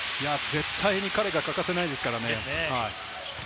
絶対、彼が欠かせないですからね。